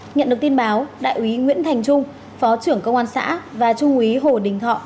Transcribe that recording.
nhận được tin báo đại úy nguyễn thành trung phó trưởng công an xã và trung úy hồ đình thọ